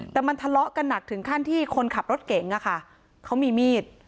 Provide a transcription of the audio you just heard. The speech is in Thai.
แต่มันทะเลาะกันหนักถึงขั้นที่คนขับรถเก๋งเขามีมีด